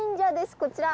こちら！